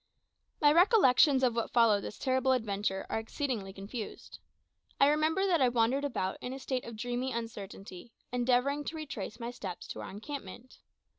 My recollections of what followed this terrible adventure are exceedingly confused. I remember that I wandered about in a state of dreamy uncertainty, endeavouring to retrace my steps to our encampment.